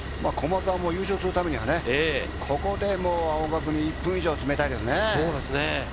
駒澤も優勝するためにはここで青学に１分以上詰めたいですね。